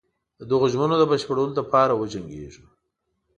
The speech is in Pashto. د دغو ژمنو د بشپړولو لپاره وجنګیږو.